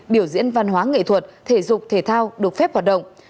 biểu diễn văn hóa nghệ thuật thể dục thể thao được phép hoạt động